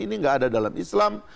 ini nggak ada dalam islam